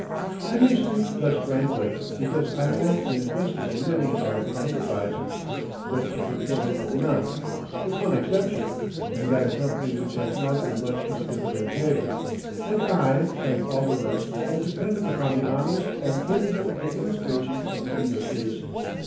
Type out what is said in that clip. I may speak thus frankly, because I am an investor in many American enterprises, but a controller of none (with one exception, and that a company which has not been much of a dividend payer), and I, like all the rest, am dependent upon the honest and capable administration of the industries.